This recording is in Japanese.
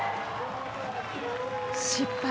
失敗。